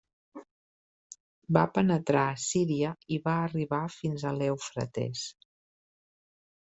Va penetrar a Síria i va arribar fins a l'Eufrates.